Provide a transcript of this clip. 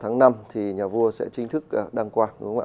tháng năm thì nhà vua sẽ chính thức đăng quang